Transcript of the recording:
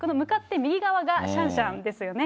この向かって右側がシャンシャンですよね。